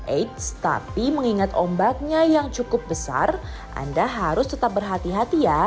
eits tapi mengingat ombaknya yang cukup besar anda harus tetap berhati hati ya